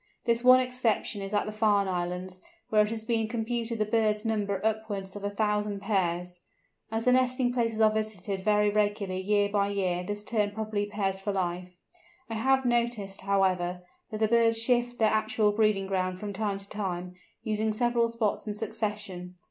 This one exception is at the Farne Islands, where it has been computed the birds number upwards of a thousand pairs. As the nesting places are visited very regularly year by year this Tern probably pairs for life. I have noticed, however, that the birds shift their actual breeding ground from time to time, using several spots in succession.